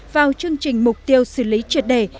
vào chương trình mục tiêu xử lý triệt đề